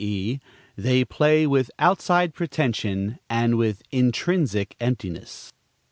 e._, they play with outside pretension, and with intrinsic emptiness.